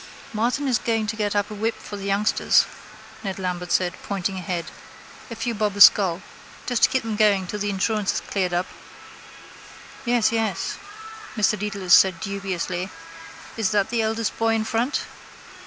—Martin is going to get up a whip for the youngsters, Ned Lambert said, pointing ahead. A few bob a skull. Just to keep them going till the insurance is cleared up. —Yes, yes, Mr Dedalus said dubiously. Is that the eldest boy in front?